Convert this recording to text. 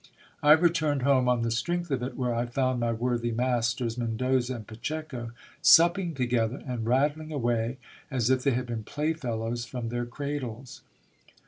I returned home on the strength of it, where I found my worthy masters, Mendoza and Pacheco, supping together, and rattling away as if they had been playfellows from their cradles.